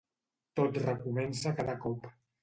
Tot recomença cada cop.